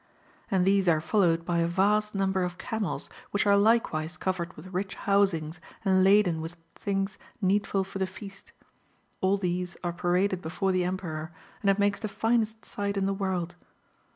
^ And these are followed by a vast number of camels which are likewise covered w^ith rich housings and laden with things needful for the Feast. All these are paraded before the Emperor, and it makes the finest sight in the world.